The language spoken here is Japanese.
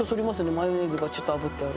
マヨネーズがちょっとあぶってあると。